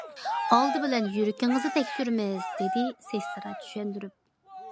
‹‹ ئالدى بىلەن يۈرىكىڭىزنى تەكشۈرىمىز›› دېدى سېسترا چۈشەندۈرۈپ.